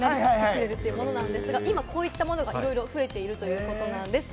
今、こういったものがいろいろ増えているということなんです。